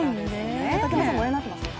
竹山さん、ご覧になってましたか？